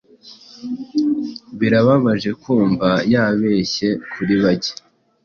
Birababaje kumva yabeshye kuri bake